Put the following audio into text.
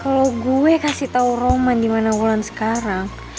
kalau gue kasih tahu roman di mana ulan sekarang